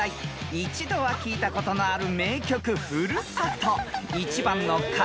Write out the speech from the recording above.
［一度は聞いたことのある名曲『ふるさと』］